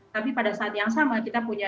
tapi pada saat yang sama kita punya